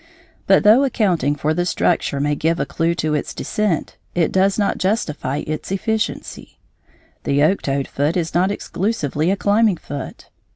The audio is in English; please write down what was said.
But though accounting for the structure may give a clue to its descent, it does not justify its efficiency. The yoke toed foot is not exclusively a climbing foot.